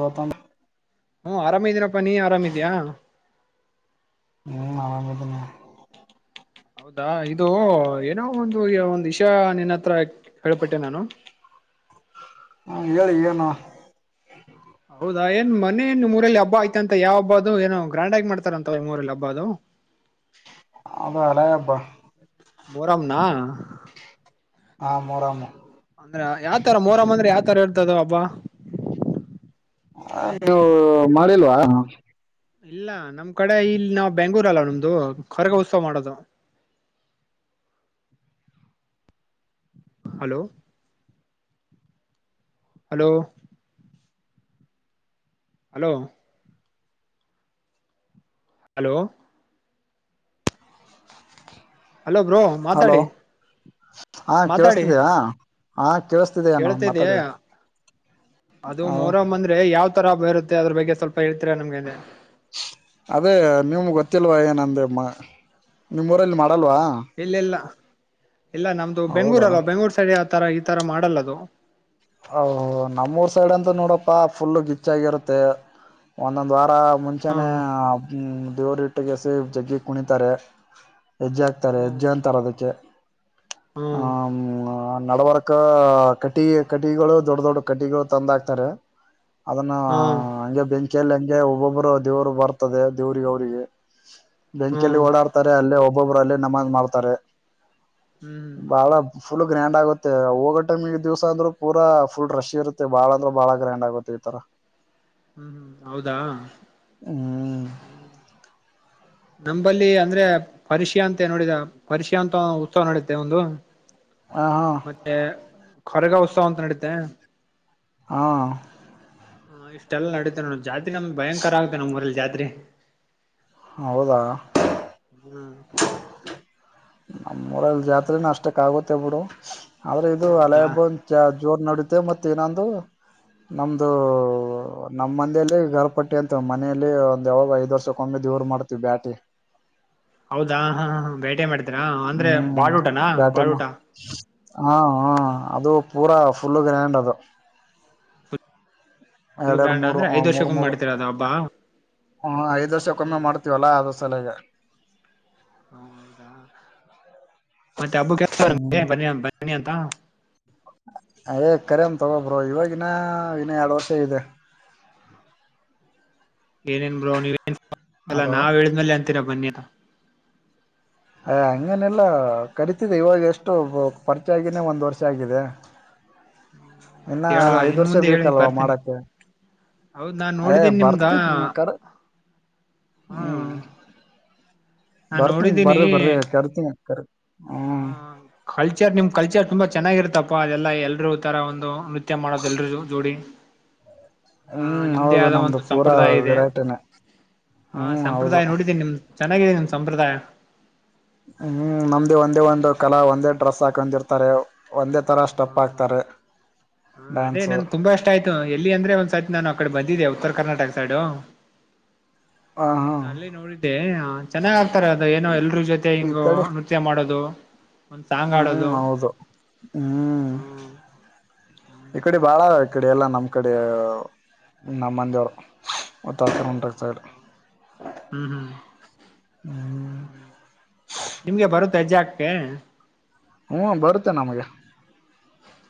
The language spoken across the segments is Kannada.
ಗತಾನ ಹ್ಮ ಆರಾಮಿದೀನಪ್ಪ ನೀ ಆರಾಮಿದ್ಯಾ ಹ್ಮ್ ನಾಗದನ ಹೌದಾ ಇದು ಏನೋ ಒಂದು ಈ ಒಂದ ವಿಷ ನಿನ್ನ ಹತ್ರ ಹೇಳ್ಪಟ್ಟೆ ನಾನು ಹ್ಮ ಹೇಳಿ ಏನು ಹೌದಾ ಏನ್ ಮನೇ ಮೂಊರಲ್ಲಿ ಹಬ್ಬ ಆಯ್ತ ಅಂತ ಯಾವ ಹಬ್ಬ ಅದು ಏನೋ ಗ್ರಾಂಡ್ ಆಗಿ ಮಾಡ್ತಾರಂತ ಮೂಊರಲ್ಲಿ ಹಬ್ಬ ಅದು ಅದ ಅಲ ಅಬ್ಬಾ ಮೊರಂನಾ ಹ ಮ ರಾಮ ಅಂದ್ರ ಯಾವ್ತರ ಮೋರಮ್ಮ ಅಂದ್ರೆ ಯಾವ್ತರ ಇರ್ತದ ಹಬ್ಬ ನೀವು ಮಾಡಿಲ್ವಾ ಇಲ್ಲ ನಮ್ ಕಡೆ ಇಲ್ಲಿ ನಾ ಬೆಂಗ್ೂರ್ ಅಲ್ಲ ನಮ್ದು ಕೊಖರಗ ಉತ್ಸವ ಮಾಡೋದು [inaudible] hello hello hello hello hello bro hello ಮಾತಾಡಿ ಹಾ ಕೇಳಸ್ತಿದ್ದೀಯ ಹ ಕೇಳ್ತಿದ್ದಿಯೆ ಅದು ಹ ಮೋಹರಂ ಅಂದ್ರೆ ಯಾವ ದಸರಾಬ್ಬ ಇರುತ್ತೆ ಅದರ ಬಗ್ಗೆ ಸ್ವಲ್ಪ ಹೇಳ್ತಿರಾ ನಮಗೆ ಅಂದೆ. ಅದೇ ನಿಮ್ ಗೊತ್ತಿಲ್ವಾ ಏನಂದ ನಿಮ್ಮ್ ಊರ ಅಲ್ಲಿ, ಇಲ್ಲ ಇಲ್ಲ ಇಲ್ಲ ನಮ್ದು ಬೆಂಗಳೂರ್ ಹೌದಾ ಅಲ್ವ ಬೆಂಗಳೂರ್ ಸೈಡಿ ಆ ತರ ಈ ತರ ಮಾಡಲ್ಲದು ನಮ್ಮೂರ್ ಸೈಡ್ ಅಂತ ನೋಡಪ್ಪಾ ಫುಲ್ ಗಿಚ್ಚಗರುತ್ತೆ ಒಂದೊಂದ್ ವಾರ ಹ ಮುಂಚಾನೇ್ಮ ದೇವ್ರ ಹಟ್ಟಿಗೆಸ ಜಗ್ಗಿ ಕುಣಿತಾರೆ ಹೆಜ್ಜೆ ಹಾಕ್ತಾರೆ ಹ್ಮ್ ಹೆಜ್ಜೆ ಅಂತಾರೆ ಅದಕ್ಕೆ ಹ್ಮ್ ಹ ನಡವರ್ಕ ಕಟಿ ಕಟಿಗಳು ದೊಡ್ಡ ದೊಡ್ಡ ಕಟಿಗಳು ತಂದಾಕ್ತಾರೆ ಅದನ್ನ ಹ್ಮ್ ಹಗೆ ಬೆಂ ಅಕಲ್ ಹೆಂಗೆ ಒಬ್ಬೊಬ್ರು ದೇವ್ರು ಬರ್ತದೆ ದೇವ್ರಿಗೆ ಅವ್ರರಿಗೆ ಬೆಂಕಲ್ಲಿ ಹ್ಮ್ ಓಡಾಡ್ತಾರೆ ಅಲ್ಲೇ ಒಬ್ಬೊಬ್ಬರು ಅಲ್ಲೇ ನಮಾಜ್ ಮಾಡ್ತಾರೆ ಹ್ಮ್ ಬಾಳ ಫುಲ್ ಗ್ರ್ಯಾಂಡ್ ಆಗುತ್ತೆ ಹೋಗೋ ಟೈಮ್ಗೆಈ ಸ ಜೂಸಹಾದ್ರು, - ಪೂರ ಫುಲ್ ರಶ ಇರುತ್ತೆ ಬಾಳಂದ್ರೆ ಬಾಳ ಗ್ರ್ಯಾಂಡ್ ಆಗುತ್ತೆ ಈ ತರ. ಹ್ಮ್, ಹ್ಮ್, ಹೌದಾ, ಹ್ಮ್ ಹ್ಮ ನಂಬಲ್ಲಿ ಅಂದ್ರೆ ಪರಿಷಿ, ಅಂತ ನೋಡಿದ ಪರಿಷ ಅಂತ ಉತ್ಸವ ನಡಿಯುತ್ತೆ ಒಂದು. ಹ ಹಾ ಮತ್ತೆ ಕೊರಗ ಉತ್ಸವ ಅಂತ ನಡೀತೆ. ಹಾ, ಹಾ, ಇಷ್ಟೆಲ್ಲಾ ನಡೀತೆ ನೋಡ ಜಾತ್ರೆ ನಮ್ ಭಯಂಕರ ಆಗುತ್ತೆ. ನಮ್ ಊರಲ್ಲಿ ಜಾತ್ರೆ ಹೌದಾ, ಹ್ಮ್ ನಮ್ಮೂರ್ ಲ್ಲಿ ಜಾತ್ರೇನಅಷ್ಟಕ್ ಆಗುತ್ತೆ ಬಿಡು. ಆದ್ರೆ ಇದು ಹೌದಾ ಅಲಯಹಬ್ಬ ಜೋರ್ ನಡತೆೆ ಮತ್ತ ಇನ್ನೊಂದು., ನಮ್ದು ನಮ್ಮ್ ಮಂದೇಲ್ಲ ಗರ್ಪಟ್ಟಿ ಅಂತ ಮನೆಯಲ್ಲಿ ಒಂದ್ ಯಾವಾಗ ಐದ್ ವರ್ಷ ಕೊಮ್ಮೆ, ದೇವ್ರ ಮಾಡ್ತೀವಿ ಬ್ಯಾಟಿ. ಹೌದಾ, ಹಾ ಹ ಬೇಟೆ ಮಾಡ್ತೀರಾ ಅಂದ್ರೆ ಹ್ಮ್ ಬಾಡ್ ಊಟನಾ ಬ್ಯಾಟಿ ಬಾಡ್ ಊಟ. - ಹಾ, ಹ ಅದು ಪೂರಾ ಫುಲ್ ಗ್ರ್ಯಾಂಡ್ ಅದು. ಫುಲ್ ಎರಡು -ಎರಡು, ಗ್ರ್ಯಾಂಡ್ ಮೂರು ಅಂದ್ರೆ ಹ ಐದ್ ಮೂರ್ ವರ್ಷಕ್ಕೊಮ್ಮೆ -ಮೂರು, ಮಾಡ್ತೀರ ಅದು ಹಬ್ಬ ಹಾ, ಐದ್ ವರ್ಷಕ್ಕೊಮ್ಮೆ ಹ್ಮ್ ಮಾಡ್ತೀವಲ್ಲಾ ಆದ್ರ ಸಲಗೆ. ಹ ಹೌದಾ, ಮತ್ತೆ ಹಬ್ಬುಗೆ ಹ್ಮ್ ಬನ್ನಿ ಬನ್ನಿ ಅಂತ [unintelligible] ಕರೇಮ್ ತಗೊಬ್ರೋ ಇವವಾಗಿನ್ನ ಇನ್ನ ಎರಡ್ ವರ್ಷ ಇದೆ. ಏನೇನ್ ಬ್ರೋ ನೀವೇನ್ ಅಲ್ಲ ಹಲೋ ನಾವ್ ಹೇಳಿದ್ಮೇಲೆ ಅಂತೀರ ಬನ್ನಿ ಅಂತ. ಅಯ್ ಹಂಗೇನ ಇಲ್ಲ. ಕರೀತಿದೆ ಇವಾಗ ಎಷ್ಟು ಪರಿಚಯ ಆಗಿನೆ ಒಂದು ವರ್ಷ ಆಗಿದೆ. ಇನ್ನ ಮತ್ ಹೇಳಲ್ವ ಐದ್ ಇನ್ ವರ್ಷ ಮುಂದೆ ಹೇಳಿ ಬೇಕಲ್ವಾ ಬರ್ತೀನಿ ಮಾಡಕ್ಕೆ, ಹೌದ್ ನಾನ್ ಎಯ್ ನೋಡಿದೀನಿ [unintelligible] ನಿಮ್ದ ಬರ್ತಿತ್ ನಿಮ್ಮ ಕಡೆ ಹಾ, ನಾನ್ ಬರ್ತೀನಿ ಬರ್ರಿ ಬರ್ರಿ ಕರ್ತೀನಿ. ಕ ಹಾ ಕಲ್ಚರ್ ನಿಮ್, ಕಲ್ಚರ್ ತುಂಬಾ ಚೆನ್ನಾಗಿರ್ತಪ್ಪಾ ಅದೆಲ್ಲಾ ಎಲ್ರೂ ತರ ಒಂದು ನೃತ್ಯ ಮಾಡೋದು ಎಲ್ರು ಜೋಡಿ. ಹಾ, ಹ್ಮ್ ನಿಮ್ದೇ ಹೌದು ಆದ ನಮ್ದು ಒಂದು ಪೂರಾ ಸಂಪ್ರದಾಯ ಇದೆ. ವೆರೈಟಿನೇ ಹಾ, ಹ್ಮ್ ಹೌದು ಸಂಪ್ರದಾಯ ನೋಡಿದ್ದೀನಿ ನಿಮ್ ಚೆನ್ನಾಗಿದ್ದೇ ನಿಮ್ ಸಂಪ್ರದಾಯ. ಹ್ಮ್, ನಮ್ದು ಒಂದೇ ಒಂದು ಕಲಾ ಒಂದೇ ಡ್ರೆಸ್ ಹಾಕೊಂಡಿರ್ತಾರೆ. ಒಂದೇ ಥರ ಸ್ಟೆಪ್ ಆಕ್ತಾರೆ. ಹಾ, ಅದೇ ನನ್ ತುಂಬಾಷ್ಟ ಆಯ್ತು ಎಲ್ಲಿ ಅಂದ್ರೆ ಒಂದ್ಸತಿ ನಾಆಕಡೆ ಬಂದಿ ದೆ. ಉತ್ತರ ಕರ್ನಾಟಕ ಸೈಡು [inaudible] ಹ್ಮ್, ಅಲ್ಲೇ ನೋಡಿದ್ದೆ. ಚೆನ್ನಾಗ್ ಆಕ್ತಾರೆ ಅದು ಏನೋ ಎಲ್ರೂ ಜೊತೆ ಈ ಹಿಂಗ ಕಡೆ ನೃತ್ಯ ಮಾಡೋದು. ಒಂದ್ ಸಾಂಗ್ ಹ್ಮ್, ಆಡೋದು ಹೌದು ಹ್ಮ್ ಹ್ಮ್ ಈ ಕಡೆ ಬಾಳ ಈ ಕಡೆ ಎಲ್ಲ ನಮ್ಮ್ ಕಡೆ ನಮ್ಮಂದಿಯವರು ಉತ್ತರಕರ್ನಾಟಕದ ಸೈಡ್, ಹ್ಮ್, ಹ್ಮ್,, ಹ್ಮ್ ಹ್ಮ್ ನಿಮ್ಗೆ ಬರುತಹೆಜ್ಜಾ ಹಾಕಕ್ಕೆ., ಹ್ಞ ಬರುತ್ತೆ ನಮಗೆ..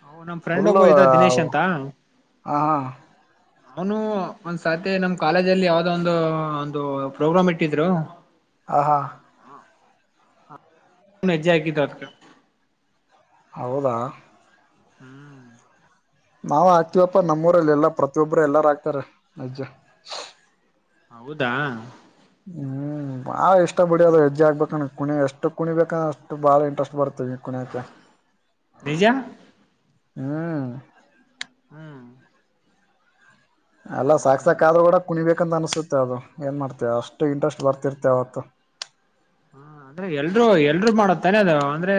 ಹ್ಮ್, ನಮ್ ಫ್ರೆಂಡ್ ಫುಲ್ಲು ಒಬ್ಬ ಇದ್ದ ದಿನೇಶ್ ಅಂತ ಹಾ ಹಾ ಅವನು ಒಂದ್ಸತಿ ನಮ್ ಕಾಲೇಜ ಅಲ್ಲಿ ಯಾವ್ದ ಒಂದು ಒಂದು ಪ್ರೋಗ್ರಾಮ್ ಇಟ್ಟಿದ್ರು ಹ ಹಾ [inaudible] ನಜ್ಜ ಆಕಿ ತೋರ್ಕ [unintelligible] ಹೌದಾ, ಹ್ಮ್, ನಾವ ಆಕ್ತಿವಪ್ಪಾ ನಮ್ಮೂರಲ್ಲಿ ಎಲ್ಲಾ ಪ್ರತಿಯೊಬ್ಬರು ಎಲ್ಲಾರ ಆಕ್ತಾರೆ ಹೆಜ್ಜಾ. ಹೌದಾ.. ಹ್ಮ್.. ಭಾಳ ಇಷ್ಟ ಬಿಡ ಅದು ಹೆಜ್ಜೆಕ್ಬೇಕಂದ ಕುಣಿ ಎಷ್ಟು ಕುಣಿಬೇಕೇಕ ಅಷ್ಟು ಭಾಳ ಇಂಟ್ರೆಸ್ಟ್ ಬರ್ತೀವಿ.. ನ ನಿಜ ಹ್ಮ್.. ಹ್ಮ್. ಅಲ್ಲ ಸಾಕಕ್ ಸಾಕ ಹೌದಾ ಆದ್ರೂ ಕೂಡ ಕುಣಿಬೇಕು.. ಬಂತ ಅನ್ಸುತ್ತೆ ಅದು ಏನ್ ಮಾಡ್ತ ಅಷ್ಟು ಇಂಟ್ರೆಸ್ಟ್ ಬರ್ತಿರ್ತೆ ಅವವತ್ತು.. ಹ ಅಂದ್ರೆ ಎಲ್ರುೂ ಎಲ್ರುೂ ಮಾಡ ತಾನೆ ಅದು.. ಅಂದ್ರೆ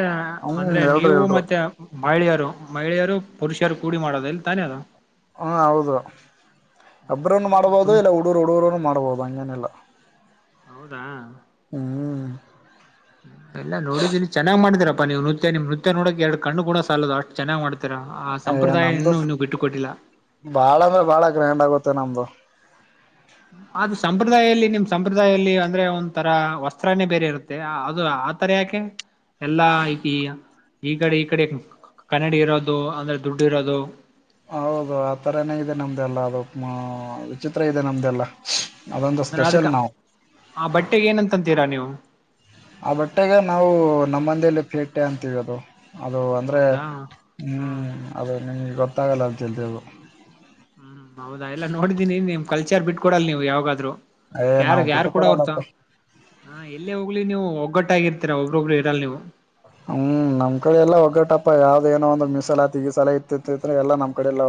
ಅಂದ್ರೆ ಹ್ಮ್ ಎಲ್ರು ನೀವು ಎಲ್ರು ಮತ್ತೆ ಮಹಿಳೆಯರು ಮಹಿಳೆಯರು ಪುರುಷರು ಕೂಡಿ ಮಾಡೋದು ಇಲ್ಲಿ ತಾನೇ ಅದು.. ಹಾ ಹೌದ ಹ್ಮ್ ಒಬ್ರನು ನೋಡಿ ಮಾಡ್ಬೋದು ತುಂಬ ಇಲ್ಲ ಹುಡುೂರು ಹುಡರು ಮಾಡ.. ಕೊಬೋದು ಅನಲ್ಲ. ಹೌದಾ.. ಹ್ಮ್.. ಎಲ್ಲ ನೋಡಿದ್ದೀ ಚನ್ನಾಗ್ ಮಾಡತೀರಪ್ಪಾ ನೀವು ನೃತ್ಯಮ ನೃತ್ಯ ನೋಡಕ್ ಎರಡ್ ಕಣುಣ ಸಾಲ ಅಷ್ಟ ಚನ್ನಾಗ್ ಮಾಡತ.. ರ ಆ ಏ ಸಂಪ್ರದಾಯ ನಮ್ದು ಇನ್ನೂ ನೀವು ಬಿಟ್ಟುಕೊಟ್ಟಿಲ್ಲ. ಬಾಳ ಅಂದ್ರೆ ಬಾಳ ಗ್ರ್ಯಾಂಡ್ ಆಗುತ್ತೆ ನಮ್ದು ಅದು ಸಂಪ್ರದಾಯದಲ್ಲಿ ನಿಮ ಸಂಪ್ರದಾಯದಲ್ಲಿ ಅಂದ್ರೆ ಒಂ ತರ ವಸ್ತ್ರಾನೇ ಬೇರೆ ಇರುತ್ತೆ ಅದು.. ಆತರ ಯಾಕೆ ಎಲ್ಲಾ ಈಐತಿ. ಈ ಕಡೆ ಈ ಕಡೆ ಕನ್ನಡಿ ಇರೋದು ಅಂದ್ರೆ ದುಡ್ಡು ಇರೋದು.. ಹೌದು ಆ ತರನೇ ಇದೆ ನಮ್ದೆಲ್ಲಾ ಅದು ವಿಚಿತ್ರ ಇದೆ ನಮ್ದೆಲ್ಲ.. ಅಂದ್ರೆ ಅದಕ್ಕೆ ಆ ಬಟ್ಟೆ ಏನಂತಂತೀರಾ ನೀವು.. ಆ ಬಟ್ಟೆಗೆ ನಾವು ನಮ್ಮಂದೇಲಿ ಪೇಟೆ ಅಂತೀವಿ ಅದು ಅದು ಅಂದ್ರೆ ಹೌದಾ ಹಾ ಹ್ಮ್ ಅದು ನಿಮ.. ಗೊತಾಗಲದು ಅಷ್ಟು ಜಲ್ದಿ.. ಹ್ಮ್ ಹೌದಾ ಎಲ್ಲ ನೋಡಿದೀನಿ ನಿಮ್ ಕಲ್ಚರ್ ಬಿಟ್ ಕೊಡಲ್ ನೀವು ಯಾವಾಗಾದ್ರು.. ಏ ಯಾರ ನಾವು ಯಾರು ಬಿಟ್ಟು ಕೂಡ ಹೊರ್ತ ಕೊಡಲ್ಲಪ್ಪ ಹ ಎಲ್ಲೇ ಹೋಗ್ಲಿ ನೀವು ಒಗ್ಗಟ್ಟ.. ಒಗ್ಗಟ್ಟಗಿಆಗಿರ್ತೀರ ಒಬ್ಬೊಬ್ರು ಇರಲ್ಲ ನೀವು.. ಹ್ಮ್ ನಮ್ ಕಡೆ ಎಲ್ಲಾ ಒಗ್ಗಟ್ಟಪ್ಪಾ ಯಾವ್ದೇಏನೋ ಒಂದು ಮೀಸಲಾತಿ ಗಿಸಲಾತಿ ಇತ್ತ್ರ ಎಲ್ಲ ನಮ್ಮ್ ಕಡೆ ಎಲ್ಲ..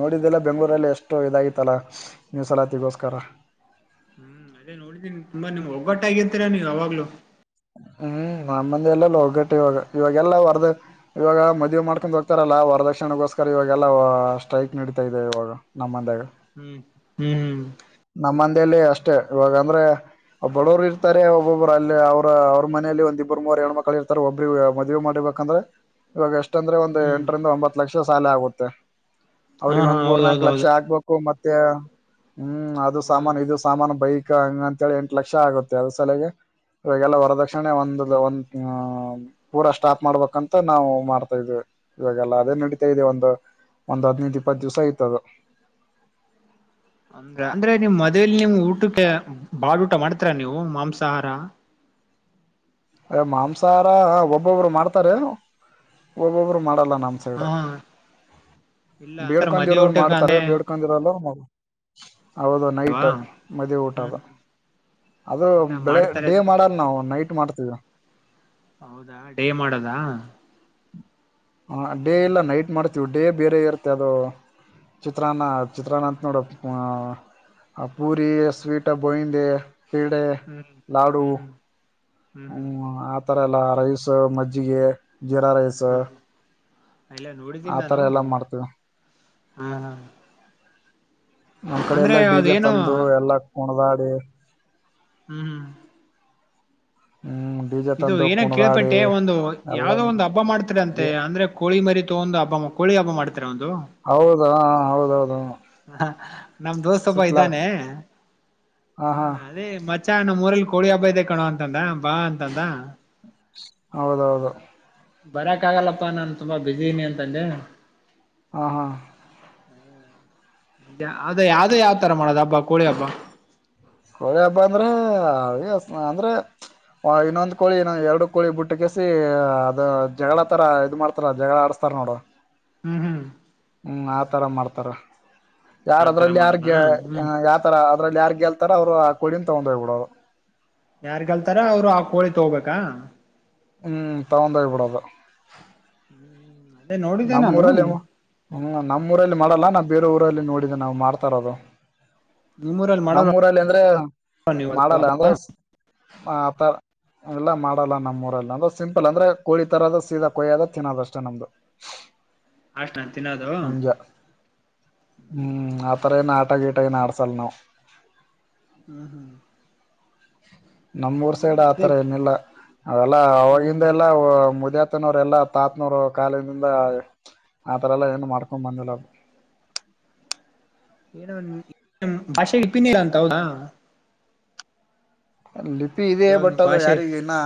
ನೋಡಿದ್ದಲ್ಲ ಬೆಂಗಳೂರಲ್ಲಿ ಎಷ್ಟು ಇದಾಗಿತ್ತಲ್ಲಾ ಮಿಸಲಾತಿಗೋಸ್ಕರ.. ಹ್ಮ್ ಅದೇ ನೋಡಿದ್ದೀನಿ ತುಂಬಾ ನಿಮ್ಗ್ ಒಗ್ಗಟ್ಟ ಆಗಿರ್ತೀರಾ ನೀವು ಯಾವಾಗ್ಲೂ.. ಹ್ಮ್ ನಮ್ಮಂದಿ ಎಲ್ಲೆಲ್ಲ ಒಗ್ಗಟ್ಟು ಇವಾಗ ಇವಾಗೆಲ್ಲ ವರ್ದ ಇವಾಗ ಮದುವಿ ಮಾಡ್ಕೊಂಡ್ ಹೋಗ್ತಾರಲ್ಲ.. ಪ್ರದಕ್ಷಣಗೋಸ್ಕರ ಇವಾಗೆಲ್ಲ ಸ್ಟ್ರೈಕ್ ನಡೀತಾ ಇದೆ ಇವಾಗ ನಮ್ಮಂದಾಗ.. ಹ್ಮ್ ಹ್ಮ್ ಹ್ಮ್.. ನಮ್ಮ ಅಷ್ಟೇ ಇವಾಗ ಅಂದ್ರೆ ಬಡುರು ಇರ್ತಾರೆ ಒಬ್ಬೊಬ್ಬರು ಅಲ್ಲಿ ಅವರು.. ಅವ್ರ ಮನೇಲಿ ಒಂದಿಬ್ರು ಮೂರು ಎರ ಮಕ್ಕಳ ಇರ್ತಾರೆ ಒಬ್ಬ್ರ ಮದುವೆಮಾಡಿಬೇಕಂದ್ರೆ ಇವಾಗ ಎಷ್ಟು.. ಷ್ಟ ಅಂದ್ರೆ ಒಂದು ಹ್ಮ್ ಎಂಟರಿಂದ ಒಂಬತ್ ಲಕ್ಷ ಸಾಲ ಆಗುತ್ತೆ ಹಾ ಅವ್ರಿಗೆ ಹಾ ಒಂದ ಮೂರ್ ನಾಕು ಲಕ್ಷ ಹೌದೌದೌದು ಆಗ್ಬೇಕು ಮೆ.. ಮತ್ತ ಹ್ಮ್ ಅದು ಹ್ಮ್ ಸಾಮಾನ ಇದು ಸಾಮಾನ ಬೈಕ್.. ಹಂಗ ಅಂತೇಳಿ ಎಂಟು ಲಕ್ಷ ಆಗುತ್ತೆ ಅದ ಸಲಗೆ ಇವಾಗಲ್ಲ ವರದಕ್ಷಣೆ ಒಂದು ಒಂದ.. ಪೂರ ಸ್ಟಾಪ್ ಮಾಡ್ಬೇಕಂತ ನಾವು ಮಾಡ್ತಾ ಇದ್ವಿ ಇವಾಗೆಲ್ಲ ಅದೇ ನಡೀತಾ ಇದೆ ಒಂದು.. ಒಂದ್ ಹದನೈದು ಇಪ್ಪತ್ತು ದಿವ್ಸ ಆಯ್ತದ.. ಅಂದ್ರ ಅಂದ್ರೆ ನಿಮ್ಮ ಮದ.. ಮದುವೆಅದೇಲ್ಲಿ ನಿಮ್ ಊಟಕ್ಕೆ ಬಾಳ ಊಟ ಮಾಡ್ತರಾ ನೀವು ಮಾಂಸಾಹಾರ. ಅ ಮಾಂಸಾಹಾರ ಒಬ್ಬೊಬ್ರು ಮಾಡ್ತಾರೆ ಒಬ್ಬೊಬ್ರು ಮಾಡಲ್ಲ.. ನಮ ಹಾ ಸೈಡ್ ಹಾ ಇಲ್ಲ ಆತರ ಮದ್ವೆ ಬೇಡ್ಕೊಂಡಿರೋರು ಊಟಕ್ಕೆ ಮಾಡ್ತಾರೆ ಅಂದ್ರೆ ಬೇಡ್ಕೊಂಡಿರೋಲ್ಲರು ಅವದ ಅಲ್ವಾ ನೈಟ್ ಮದವಿ ಹ್ಮ್ ಊಟದ ಹ್ಮ್ ಅದು ಇಲ್ಲ ಬೆಳೆ ಮಾಡ್ತಾರೆ ಡೇ ಮಾಡಲ್ ನಾವು ನೈಟ್ ಮಾಡ್ತವಿ.. ಹೌದಾ ಡೇ ಮಾಡದಾ.. ಹ ಡೇ ಇಲ್ಲ ನೈಟ್ ಮಾಡ್ತೀವಿ ಡೇ ಬೇರೆ ಇರುತ್ತೆ ಅದು.. ಚಿತ್ರಾನ್ನ ಚಿತ್ರಾನ್ನ ಅಂತ ನೋಡ.. ಆ ಪೂರಿ ಸ್ವೀಟ ಬೋಯಿಂದೆ.. ಕೀಡೆ ಹ್ಮ್ ಲಾಡೂ ಹ್ಮ್ ಹ್ಮ್ ಹ್ಮ್.. ತರ ಎಲ್ಲ ರೈಸ್ ಮಜ್ಜಿಗೆ.. ಜೀರಾ ರೈಸ್ ಹ್ಮ್ ಹ್ಮ್ ಇಲ್ಲ ಆತರ ಎಲ್ಲಾ ಮಾಡ್ತೇವಿ.. ಹ್ಮ ಹಾ ನಮ್ ಕಡೆ ಎಲ್ಲಾ ಡಿ ಜೆ ತಂದು ಎಲ್ಲಾ ಕುಣ್ದಾಡಿ ಹ್ಮ್ ಹ್ಮ್ ಹ್ಮ್ ಡಿ.ಜೆ ಇದು ತಂದು ಏನ ಕುಣದಾಡಿ ಕೇಳ್ಪಟ್ಟೆ ಒಂದು ಎಲ್ಲ ಯಾವ್ದೋ ಒಂದು ಹಬ್ಬ ಮಾಡ್ತರ ಅಂತೆ ಅಂದ್ರೆ ಕೋಳಿ ಮರಿ ತೋಗಂಡು ಒಂದು ಹಬ್ಬ ಮಾಡ ಕೋಳಿ ಹಬ್ಬ ಮಾಡ್ತಾರೆ ಒಂದು ಹೌದು ಹೌದ ಹ ನಮ ದೋಸ್ತ್ ಒಬ್ಬ ಇದ್ದಾನೆ ಹಾ ಹ ಹಾ ಅದೇ ಮ ಅಚ್ಚಾ ನಮ್ಮ್ ಊರಲ್ಲಿ ಕೋಳಿ ಹಬ್ಬ ಇದೆ ಕಣೋ ಅಂತಂದ ಬಾ ಅಂತಂದ ಹೌದು ಹೌದು ಬರಕ್ ಆಗಲ್ಲಪ್ಪಾ ನಾನ್ ತುಂಬಾ ಬಿಸಿನಿ ಅಂತಂದೆ ಹಾ ಹಾ ಅದ ಯಾವ್ದ ಯಾವ್ ತರ ಮಾಡದ ಹಬ್ಬ ಕೋಳಿ ಹಬ್ಬ ಕೋಳಿ ಹಬ್ಬ ಅಂದ್ರೆ ಅವಿ ಅಂದ್ರೆ ಇನ್ನೊಂದ್ ಕೋಳಿ ಎರಡು ಕೋಳಿ ಬುಟ್ಟ ಕಸಿ ಅದ ಜಗಳ ತರ ಇದ್ ಮಾಡ್ತಾರ ಜಗಳ ಆಡ್ಸ್ ಆಡ ಸ್ತರ್ ನೋಡ ಹ್ಮ್ ಹ್ಮ್ ಹ್ಮ್ ಆತರ ಮಾಡ್ತಾರ ಯಾರ ಆತರ ಅದ್ರಲ್ಲಿ ಯಾರ ಮಾಡದ ಹ್ಮ್ ಯಾವತರ ಅದ್ರಲ್ಲಿ ಯಾರ್ ಗೆಲ್ ಈ ತರ ಅವ್ರು ಆ ಕೊಳಿನ್ ತಗೊಂಡ್ ಹೋಗ್ಬಿಡೋರು ಯಾರ್ ಗೆಲ್ತಾರೆ ಅವರು ಕೊಳಿ ತೊಗಬೇಕ ಹ್ಮ್ ತಗೊಂಡೋಗಿ ಬಿಡೋದು ಹ್ಮ್ ಅದೇ ನೋಡಿದ್ದೆ ನಾನು ಹ್ಮ ನಮ್ಮ್ ಊರಲ್ಲಿ ಮಾಡಲ್ಲ ನಾವು ಬೇರೆ ಊರಲ್ಲಿ ನೋಡಿದೆ ನಾವು ಮಾಡ್ತಾರೋದು ನಿಮ್ಮೂರಲ್ಲಿ ಮಾಡಲ್ಲ ನಮ್ಮೂರಲ್ಲಿ ಅಂದ್ರೆ ನೀವು ಅದು ಮಾಡಲ್ಲ ಹಬ್ಬ ಅಂದ್ರೆತ ಎಲ್ಲ ಮಾಡಲ್ಲ ನಮ್ಮ್ೂರಲ್ಲಿ ಅಂದ್ರೆ ಸಿಂಪಲ್ ಅಂದ್ರೆ ಕೋಳಿ ತರದ ಸೀದಾ ಕೊಯ್ಯದ ತಿನ್ನೋದ ಅಷ್ಟ ನಮ್ದು ಅಷ್ಟ ನ ತಿನ್ನೋದು ಮುಂಜೆ ಹ್ಮ್ ಅತ್ರ ನ ಆಟ ಗೀಟ ನಾಡ್ಸಲ್ಲನ ಹ್ಮ್ ಹ್ಮ್ ನಮೂರ್ ಇಲ್ಲ ಸೈಡ್ ಆತರ ಅದಕ್ಕೆ ಏನಿಲ್ಲ ಅವೆಲ್ಲ ಹ್ಮ್ ಹ್ಮ್ ಅವವಾಗಿಂದ ಎಲ್ಲಾ ಮುದಿಯ ಆತನವ್ರ ಎಲ್ಲಾ ತಾತನವ್ ಕಾಲಿಂದ ಆತರ ಎಲ್ಲಾ ಏನು ಮಾಡ್ಕೊಂಡ್ ಬಂದಿಲ್ಲ ಅ [inaudible] ಏನೋ ಭಾಷೆ ಇಪ್ಪಿನಿಲ್ಲ ಅಂತ ಹೌದಾ ಲಿಪಿ ಇದೆಯ ಇವಾಗ ಬಟ್ ನಿಮ್ ಅದು ಭಾಷೆ ಯಾರಿಗ ಇನ್ನ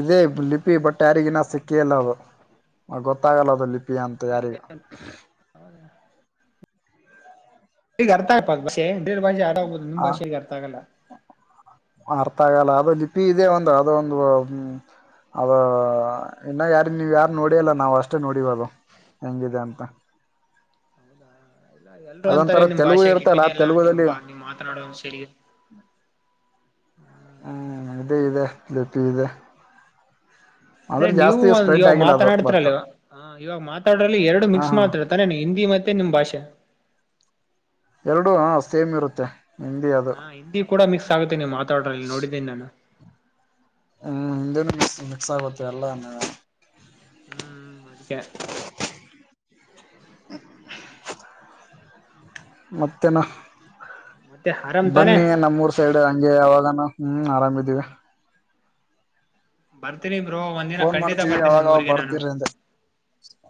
ಇದೇ ಲಿಪಿ ಬಟ್ ಯಾರಿಗಿನ ಸಿಕ್ಕಿಲ್ಲ ಅದು ಗೊತ್ತಾಗಲ್ಲ ಅದು ಲಿಪಿ ಪಿಯಂ ತಯಾರಿ ಈಗ ಅರ್ಥ ಆಯ ಬಡೇರ್ ಭಾಷೆ ಆಡಾಗ್ಬಹುದು ನಿಮ್ ಆ ಭಾಷೆ ಈಗ ಅರ್ಥ ಆಗಲ್ಲ ಗೊತ್ತಾಗಲ್ಲ ಅದು ಲಿಪಿ ಇದೇ ಒಂದು ಅದ ಒಂದು ಹ್ಮ ಅದ ಇನ್ನು ಯಾರ ನೀವ ಯಾರು ನೋಡಿ ಅಲ್ಲ ನಾವ್ ಅಷ್ಟೇ ನೋಡಿಬದು ಯೆಂಗಿಧೆಯಾಂತ ಹೌದಾ ಇಲ್ಲ ಎಲ್ರರು ಅಂತಾರೆ ನಿಮ್ ತೆಲುಗು ಭಾಷೆ ಇರ್ತಲ್ಲ ಲಿಪಿನೇ ಆ ಎಲ್ಲಾ ನಿಮ್ ತೆಲುಗುದಲ್ಲಿ ಬಾ ನಿಮ್ ಮಾತನಾಡುವ ಸಗೆ ಹ್ಮ್ ಇದೆ ಇದೆ ಲಿಪಿ ಇದೆ.. ಅಂದ್ರೆ ನೀವು ಜಾಸ್ತಿ ಒಂದ ಸ್ಪ್ರೆಡ್ ಇಾವ ಆಗಿಲ್ಲ ಅದು ಬಟ್ ಮಾತನಾಡ್ತಿರಲ್ವ.. ಹಾ ಇವಾಗ ಮಾತಾಡ್ರಲ್ಲಿ ಎರಡು ಹಾ ಮಿಕ್ಸ್ ಹಾ ಮಾತಾಡ್ತಾನೆ ಹಿಂದಿ ಮತ್ತೆ ನಿಮ್ ಭಾಷೆ ಎರಡು ಹ ಸೇಮ್ ಇರುತ್ತೆ ಹಿಂದಿ ಅದು ಹಾ ಹಿಂದಿ ಕೂಡ ಮಿಕ್ಸ್ ಆಗುತ್ತೆ ನೀವ್ ಮಾತಾಡ್ರಲ್ಲಿ ನೋಡಿದ್ದೀನಿ ನಾನು ಹ್ಮ್ ಹಿಂದೇನು ಮಿಕ್ಸ್ ಆಗತ್ತೆ ಎಲ್ಲ ಹ್ಮ್ ಅದಕ್ಕ [inaudible] ಮತ್ತೇನ ಮತ್ತೆ ಆರಾಮ್ ತಾನೆ ಬನ್ನಿ ನಮ್ಮೂರ್ ಸೈಡ್ ಹಂಗೆ ಯಾವಾಗಾನ ಹ್ಮ್ ಆರಾಮಿದ್ದೀವಿ ಬರ್ತೀನಿ ಬ್ರೋ ಒಂದ ದಿನ ಫೋನ್ ಖಂಡಿತ ಮಾಡ್ತೀವಿ ಬರ್ತೀನಿ ಯಾವಾಗಾವಾಗ ನಿಮ್ಊರಿಗೆ ನಾನು.. ಬರ್ತೀರಿ ಅಂದೆ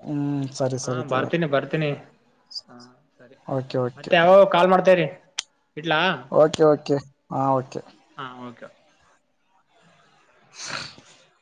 ಹ್ಮ್ ಸರಿ ಹಾ ಸರಿ ತಗೋರಿ ಬರ್ತೀನಿ ಬರ್ತೀನಿ ಹ. ಸರಿ ಓಕೆ ಓಕೆ ಮತ್ತೆ ಯಾವಾಗ ಕಾಲ್ ಮಾಡ್ತೇವರಿ.. ಇಟ್ಲ ಓಕೆ ಓಕೆ ಹಾ ಓಕೆ ಹ.. [inaudible]